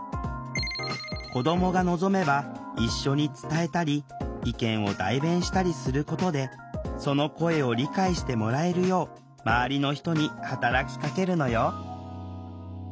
子どもが望めば一緒に伝えたり意見を代弁したりすることでその声を理解してもらえるよう周りの人に働きかけるのよ